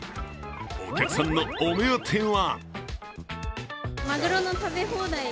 お客さんのお目当ては？